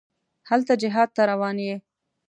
هلته جهاد ته روان یې.